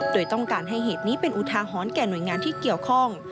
โดยต้องการให้เหตุนี้เป็นอุทาหรณ์แก่หน่วยงานที่เกี่ยวข้อง